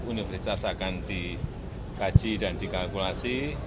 universitas akan dikaji dan dikalkulasi